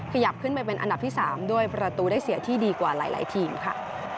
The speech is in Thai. ขยับขึ้นไปเป็นอันดับที่๓ด้วยประตูได้เสียที่ดีกว่าหลายทีมค่ะ